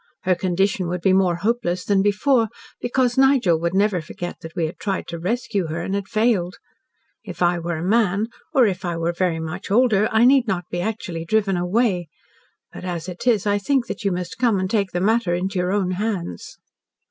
Her condition would be more hopeless than before, because Nigel would never forget that we had tried to rescue her and had failed. If I were a man, or if I were very much older, I need not be actually driven away, but as it is I think that you must come and take the matter into your own hands."